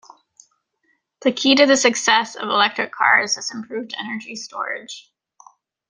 The key to the success of electric cars is improved energy storage.